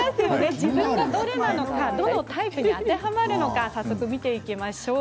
自分がどのタイプに当てはまるのか見ていきましょう。